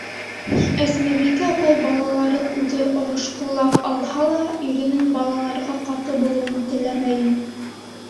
Әсмәбикә апай балаларын үҙе орошҡолап алһа ла, иренең балаларға ҡаты булыуын теләмәй ине.